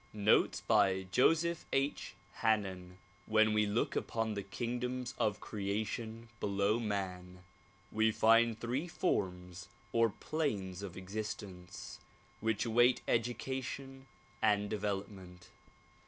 Notes by Joseph H. Hannen WHEN we look upon the kingdoms of creation below man we find three forms or planes of existence which await education and development.